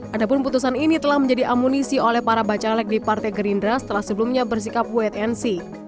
adapun putusan ini telah menjadi amunisi oleh para bacalek di partai gerindra setelah sebelumnya bersikap wtnc